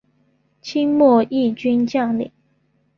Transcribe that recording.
清末毅军将领。